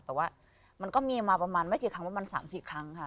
แต่ว่ามันก็มีมาประมาณไม่กี่ครั้งว่ามัน๓๔ครั้งค่ะ